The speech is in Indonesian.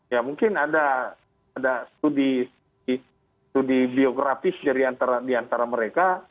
ya mungkin ada studi biografis di antara mereka